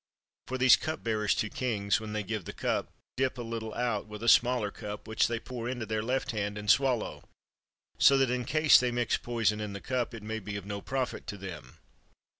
For these cup bearers to kings, when they give the cup, dip a little out with a smaller cup, which they pour into their left hand and swallow; so that, in case they mix poison in the cup, it may be of no profit to them.